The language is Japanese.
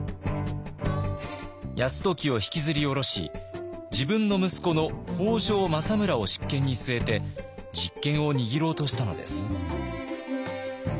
泰時を引きずり降ろし自分の息子の北条政村を執権に据えて実権を握ろうとしたのです。